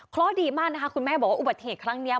เพราะดีมากนะคะคุณแม่บอกว่าอุบัติเหตุครั้งนี้